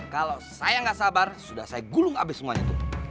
kalau saya nggak sabar sudah saya gulung abis semuanya